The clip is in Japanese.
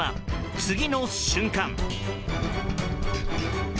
次の瞬間。